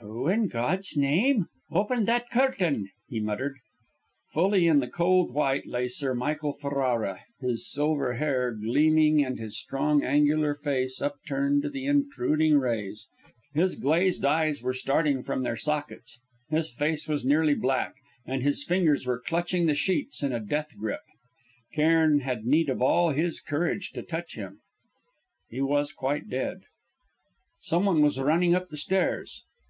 "Who, in God's name, opened that curtain!" he muttered. Fully in the cold white light lay Sir Michael Ferrara, his silver hair gleaming and his strong, angular face upturned to the intruding rays. His glazed eyes were starting from their sockets; his face was nearly black; and his fingers were clutching the sheets in a death grip. Cairn had need of all his courage to touch him. He was quite dead. Someone was running up the stairs.